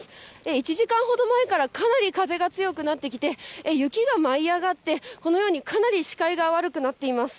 １時間ほど前からかなり風が強くなってきて、雪が舞い上がって、このようにかなり視界が悪くなっています。